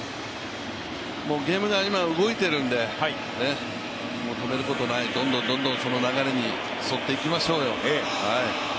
もうゲームが今動いてるんで、もう止めることないどんどんその流れに沿っていきましょうよ。